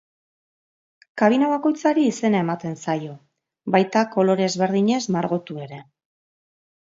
Kabina bakoitzari izena ematen zaio baita kolore ezberdinez margotu ere.